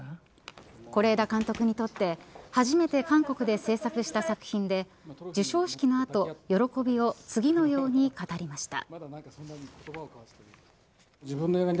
是枝監督にとって初めて韓国で制作した作品で授賞式のあと喜びを次のように語りました。